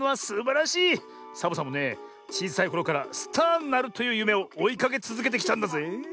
サボさんもねちいさいころからスターになるというゆめをおいかけつづけてきたんだぜえ。